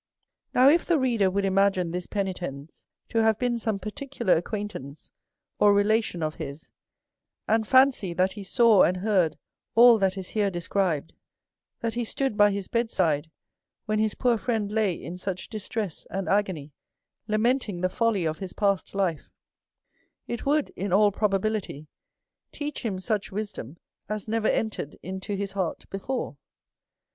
Now, if the reader would imagine this Penitens to have been some particular acquaintance or relation of his, and fancy that he saw and heard all that is here described, that he stood by his bedside when his poor friend lay in such distress and agony, lamenting the folly of his past life, it would, in all probability, teach him such wisdom as never entered into his heart be fore.